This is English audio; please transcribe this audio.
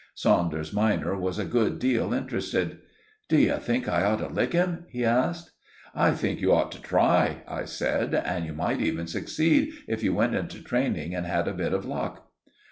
Saunders minor was a good deal interested. "D'you think I ought to lick him?" he asked. "I think you ought to try," I said; "and you might even succeed if you went into training, and had a bit of luck."